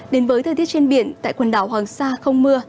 đến với thời tiết trên biển tại quần đảo hoàng sa không mưa